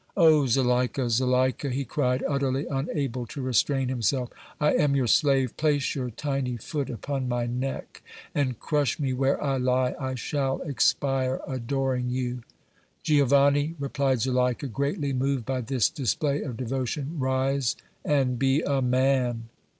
"Oh! Zuleika, Zuleika," he cried, utterly unable to restrain himself, "I am your slave! Place your tiny foot upon my neck and crush me where I lie! I shall expire adoring you!" "Giovanni," replied Zuleika, greatly moved by this display of devotion, "rise and be a man!"